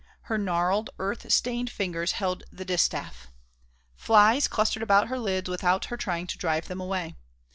Her gnarled, earth stained fingers held the distaff. Flies clustered about her lids without her trying to drive them away.